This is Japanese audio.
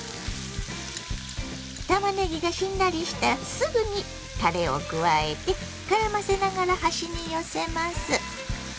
たまねぎがしんなりしたらすぐにたれを加えてからませながら端に寄せます。